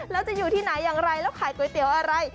แล้วจะอยู่ที่ไหนอย่างไรแล้วขายก๋วยเตี๋ยวอะไร